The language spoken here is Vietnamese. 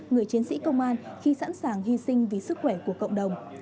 người chiến sĩ công an khi sẵn sàng hy sinh vì sức khỏe của cộng đồng